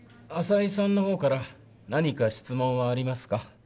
朝井さんの方から何か質問はありますか？